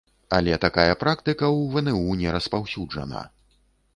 Але такая практыка ў вну не распаўсюджана.